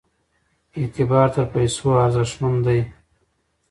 اعتبار تر پیسو ارزښتمن دی.